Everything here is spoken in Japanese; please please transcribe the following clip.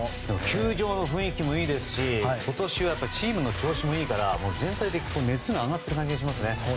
球場の雰囲気もいいですし今年はチームの調子もいいから全体的に熱が上がっている感じがしますね。